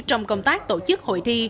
trong công tác tổ chức hội thi